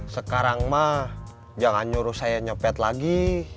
sekarang mah jangan nyuruh saya nyepet lagi